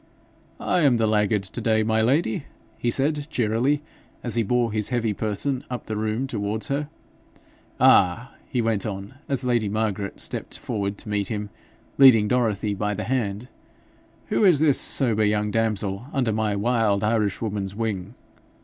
'I am the laggard to day, my lady,' he said, cheerily, as he bore his heavy person up the room towards her. 'Ah!' he went on, as lady Margaret stepped forward to meet him, leading Dorothy by the hand, 'who is this sober young damsel under my wild Irishwoman's wing?